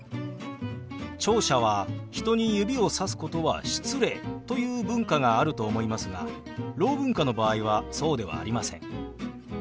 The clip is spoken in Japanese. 聴者は「人に指をさすことは失礼」という文化があると思いますがろう文化の場合はそうではありません。